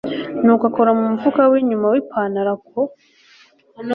nuko akora mumufuka winyuma wipanaro ako